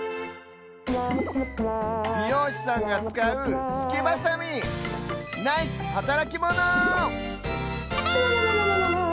びようしさんがつかうすきバサミナイスはたらきモノ！